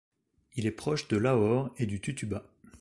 Il est proche de l’aore et du tutuba.